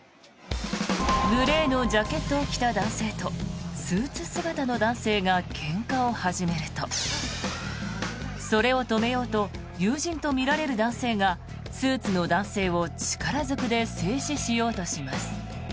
グレーのジャケットを着た男性とスーツ姿の男性がけんかを始めるとそれを止めようと友人とみられる男性がスーツの男性を力ずくで制止しようとします。